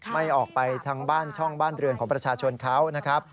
ไม่ออกไปทางบ้านช่องบ้านเรือนของประชาชนเขานะครับ